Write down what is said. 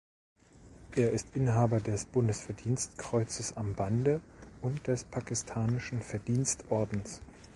Er ist Inhaber des Bundesverdienstkreuzes am Bande und des pakistanischen Verdienstordens.